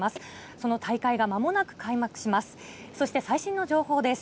その大会がまもなく開幕します。